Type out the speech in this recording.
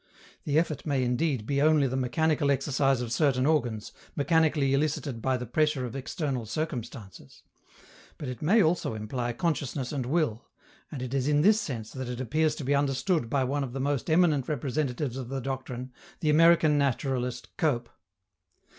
The effort may indeed be only the mechanical exercise of certain organs, mechanically elicited by the pressure of external circumstances. But it may also imply consciousness and will, and it is in this sense that it appears to be understood by one of the most eminent representatives of the doctrine, the American naturalist Cope.